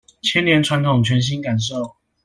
千年傳統全新感受